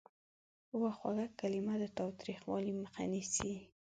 یوه خوږه کلمه د تاوتریخوالي مخه نیسي.